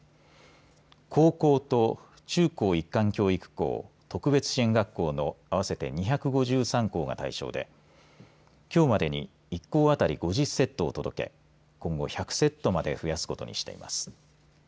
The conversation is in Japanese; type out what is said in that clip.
高校と中高一貫教育校、特別支援学校の合わせて２５３校が対象できょうまでに１校当たり５０セットを届け今後１００セットまで増やすことにしています。